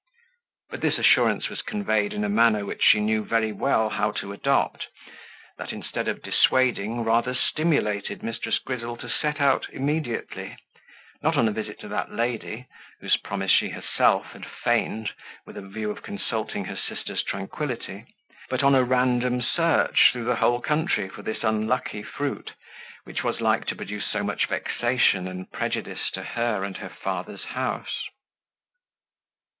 But this assurance was conveyed in a manner, which she knew very well how to adopt, that, instead of dissuading, rather stimulated Mrs. Grizzle to set out immediately, not on a visit to that lady, whose promise she herself had feigned with a view of consulting her sister's tranquility, but on a random Search through the whole country for this unlucky fruit, which was like to produce so much vexation and prejudice to her and her father's house.